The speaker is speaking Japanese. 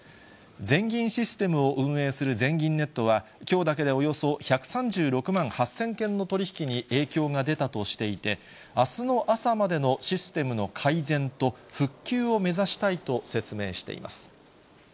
全銀システムを運営する全銀ネットは、きょうだけでおよそ１３６万８０００件の取り引きに影響が出たとしていて、あすの朝までのシステムの改善と復旧を目指したいと説明しています。